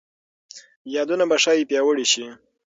یادونه به ښايي پیاوړي شي.